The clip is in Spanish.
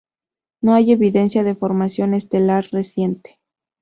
No hay evidencia de formación estelar reciente.